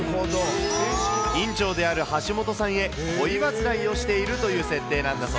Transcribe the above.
院長である橋本さんへ、恋わずらいをしているという設定なんだそう。